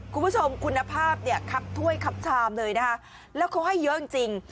คุณผู้ชมคุณภาพเนี่ยคับถ้วยคับชามเลยนะคะแล้วเขาให้เยอะจริงจริง